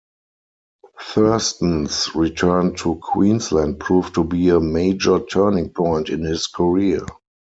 Thurston's return to Queensland proved to be a major turning point in his career.